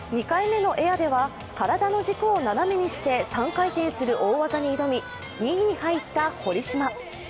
２回目のエアでは体の軸を斜めにして３回転する大技に挑み２位に入った堀島。